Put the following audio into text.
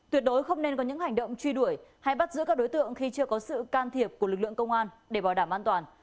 tuyệt đối không nên có những hành động truy đuổi hay bắt giữ các đối tượng khi chưa có sự can thiệp của lực lượng công an để bảo đảm an toàn